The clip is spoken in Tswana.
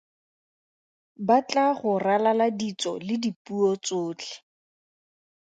Ba tla go ralala ditso le dipuo tsotlhe.